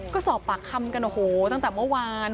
ก็สอบปากคำกันโอ้โหตั้งแต่เมื่อวาน